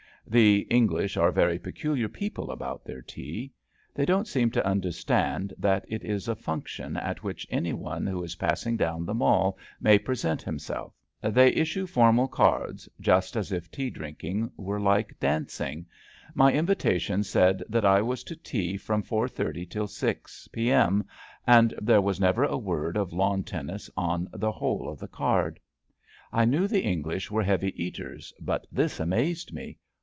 The Eng lish are very peculiar people about their tea. They don't seem to understand that it is a func tion at which any one who is passing down the Mall may present himself. They issue formal cards — ^just as if tea drinking were like dancing. My invitation said that I was to tea from 4:30 till 6 p. M., and there was never a word of lawn tennis on the whole of the card. I knew the English were heavy eaters, but this amazed me.